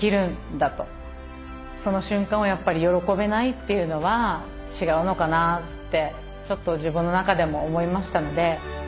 その瞬間をやっぱり喜べないっていうのは違うのかなってちょっと自分の中でも思いましたので。